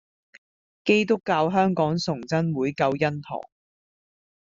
基督教香港崇真會救恩堂